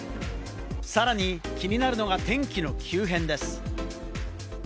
さらに気になるのが天気の急変です。